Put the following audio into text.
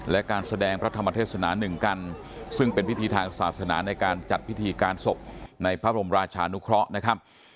และการแสดงพระธรรมเทศนาหนึ่งกันซึ่งเป็นพิธีทางศาสนาในการจัดพิธีการศพในพระบรมราชานุเคราะห์นะครับ